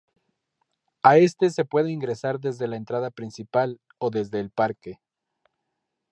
A este se puede ingresar desde la entrada principal, o desde el Parque.